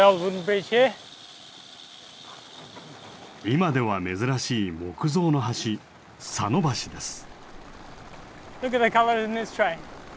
今では珍しい木造の橋佐野橋です。